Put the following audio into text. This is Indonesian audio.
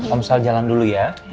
omsal jalan dulu ya